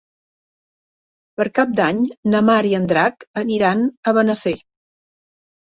Per Cap d'Any na Mar i en Drac aniran a Benafer.